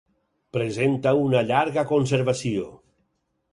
Presenta una llarga conservació.